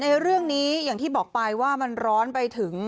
ในเรื่องนี้อย่างที่บอกไปว่ามันร้อนไปถึง